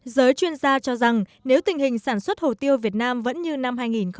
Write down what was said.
giới chuyên gia cho rằng nếu tình hình sản xuất hồ tiêu việt nam vẫn như năm hai nghìn một mươi chín